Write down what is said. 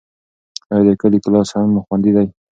آیا د کلي کلا اوس هم خوندي ده؟